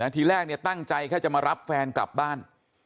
ทีแรกตั้งใจแค่จะมารับแฟนกลับบ้าน